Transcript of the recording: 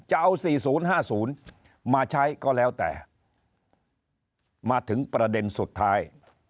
จะเอา๔๐๕๐มาใช้ก็แล้วแต่มาถึงประเด็นสุดท้าย